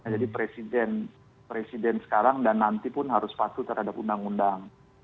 jadi presiden sekarang dan nanti pun harus pasu terhadap undang undang